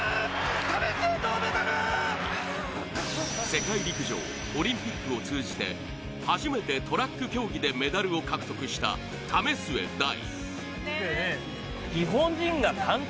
世界陸上オリンピックを通じて初めてトラック競技でメダルを獲得した、為末大。